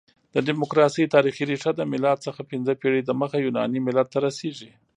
د ډیموکراسۍ تاریخي ریښه د مېلاد څخه پنځه پېړۍ دمخه يوناني ملت ته رسیږي.